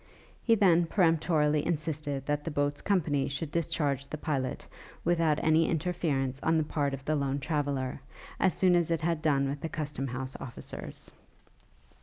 He then peremptorily insisted that the boat's company should discharge the pilot, without any interference on the part of the lone traveller, as soon as it had done with the custom house officers.